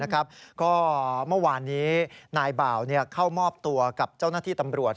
ก็เมื่อวานนี้นายบ่าวเข้ามอบตัวกับเจ้าหน้าที่ตำรวจ